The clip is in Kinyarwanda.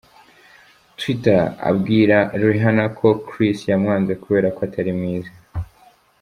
tweeter abwira Rihanna ko Chris yamwanze kubera ko atari mwiza.